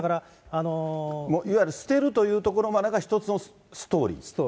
いわゆる捨てるというところまでが何か一つのストーリー。